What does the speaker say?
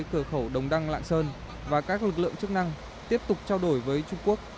cửa khẩu đồng đăng lạng sơn và các lực lượng chức năng tiếp tục trao đổi với trung quốc